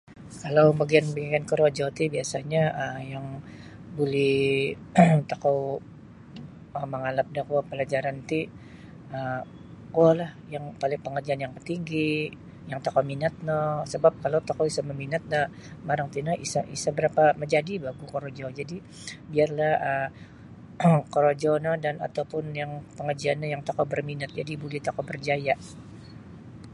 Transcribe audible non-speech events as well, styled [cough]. Kalau bagayad bagian korojo ti biasanya um yang buli [coughs] tokou mangalap da kuo palajaran ti um kuo la yang paling pangajian yang tertinggi yang tokou minat no sabab kalau tokou isa maminat da barang tino isa isa barapa majadi bah ko-korojo jadi biarlah um [coughs] korojo noh dan ataupun yang pangajian no yang tokou barminat jadi buli tokou berjaya.